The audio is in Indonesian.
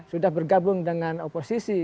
sudah bergabung dengan oposisi